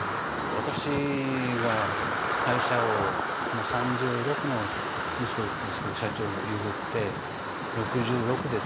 私が会社をもう３６の息子ですけど社長に譲って６６で退任したでしょ。